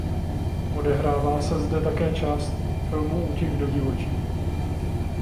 Odehrává se zde také část filmu "Útěk do divočiny".